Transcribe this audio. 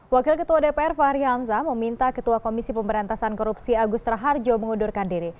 wakil ketua dpr fahri hamzah meminta ketua komisi pemberantasan korupsi agus raharjo mengundurkan diri